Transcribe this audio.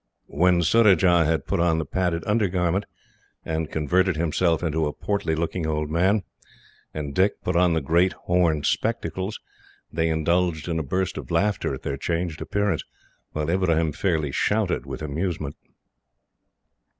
When Surajah had put on the padded undergarment, and converted himself into a portly looking old man, and Dick the great horn spectacles, they indulged in a burst of laughter at their changed appearance, while Ibrahim fairly shouted with amusement.